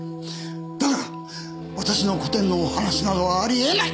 だから私の個展の話などあり得ない！